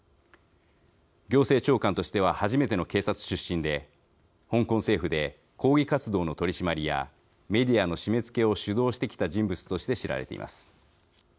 行政長官としては初めての警察出身で、香港政府で抗議活動の取り締まりやメディアへの締めつけを主導してきた人物として知られています。